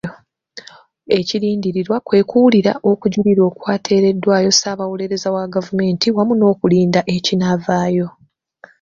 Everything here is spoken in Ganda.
Ekirindiriddwa kwe kuwulira okujulira okwateereddwayo Ssaabawolereza wa gavumenti wamu n'okulinda ekinaavaayo.